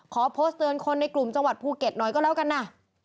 ขอโพสต์เตือนคนในกลุ่มจังหวัดภูเก็ตหน่อยก็แล้วกันนะ